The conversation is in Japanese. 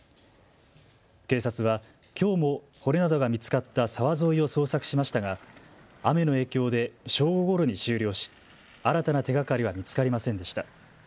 警察はきょうも骨などが見つかった沢沿いを捜索しましたが雨の影響で正午ごろに終了し新たな手がかりは見つかりませんでした。